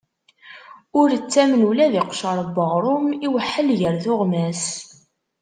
Ur ttamen ula d iqcer n uɣrum: iweḥḥel ger tuɣmas.